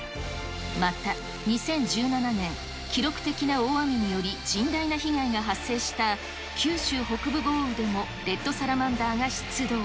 また、２０１７年、記録的な大雨により甚大な被害が発生した九州北部豪雨でも、レッドサラマンダーが出動。